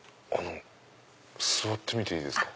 座ってみていいですか？